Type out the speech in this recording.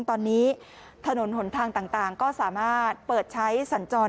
ตอนนี้ถนนหนทางต่างก็สามารถเปิดใช้สัญจร